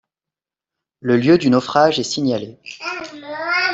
Le lieu du naufrage est signalé.